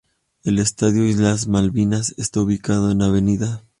El Estadio Islas Malvinas está ubicado en Av.